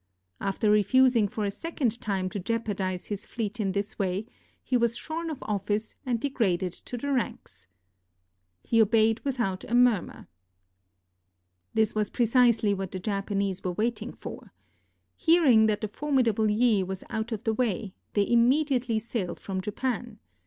After refusing for a second time to jeopardize his fleet in this way, he was shorn of office and degraded to the ranks. He obeyed 272 WHEN HIDEYOSHI INVADED KOREA without a murmur. This was precisely what the Japanese were waiting for. Hearing that the formidable Yi was out of the way, they immediately sailed from Japan.